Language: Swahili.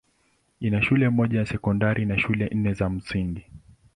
Ina shule moja ya sekondari na shule nne za msingi.